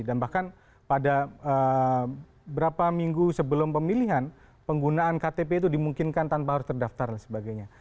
dan bahkan pada beberapa minggu sebelum pemilihan penggunaan ktp itu dimungkinkan tanpa harus terdaftar dan sebagainya